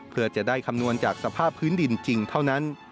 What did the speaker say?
เพื่อจะได้คำนวณจากสภาพพื้นดินจริงเท่านั้น